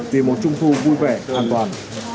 vì một trung thu vui vẻ an toàn